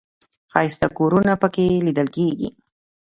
ښایسته کورونه په کې لیدل کېږي.